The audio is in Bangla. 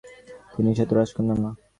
কিন্তু সে তো রাজকন্যা না।